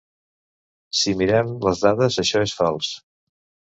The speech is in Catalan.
Si mirem les dades això és fals.